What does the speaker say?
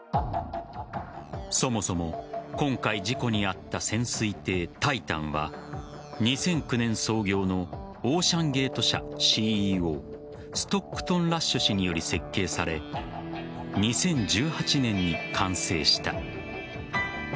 そもそも今回事故に遭った潜水艇「タイタン」は２００９年創業のオーシャンゲート社ＣＥＯストックトン・ラッシュ氏により設計され２０１８年に完成した。